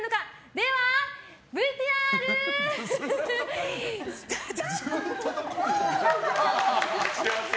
ではＶＴＲ、スタート！